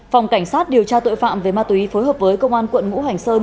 phòng cảnh sát điều tra tội phạm về ma túy phối hợp với công an quận ngũ hành sơn